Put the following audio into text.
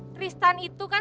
triks dan itu kan